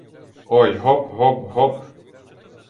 Ой, гоп, гоп, гоп!